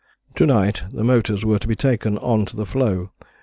"To night the motors were to be taken on to the floe.